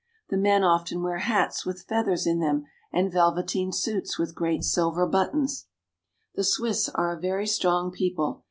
The men often wear hats with feathers in them and velveteen suits with great silver buttons. The Swiss are a very strong people.